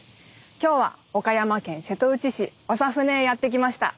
今日は岡山県瀬戸内市長船へやって来ました。